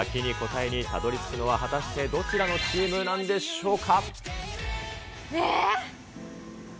先に答えにたどりつくのは果たしてどちらのチームなんでしょうか。